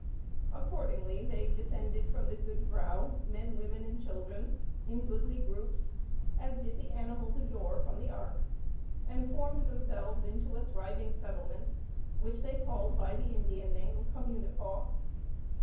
Accordingly, they descended from the Goede Vrouw, men, women and children, in goodly groups, as did the animals of yore from the ark, and formed themselves into a thriving settlement, which they called by the Indian name Communipaw.